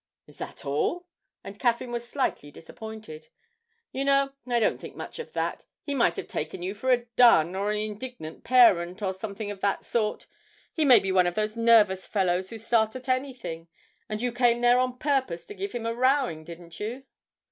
'Is that all?' and Caffyn was slightly disappointed. 'You know, I don't think much of that. He might have taken you for a dun, or an indignant parent, or something of that sort; he may be one of those nervous fellows who start at anything, and you came there on purpose to give him a rowing, didn't you?'